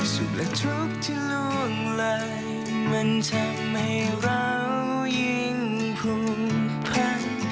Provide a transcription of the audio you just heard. สุขและทุกข์ที่ลวงเลยมันทำให้เรายิ่งผูกพัน